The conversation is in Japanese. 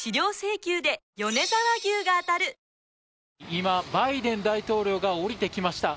今、バイデン大統領が下りてきました。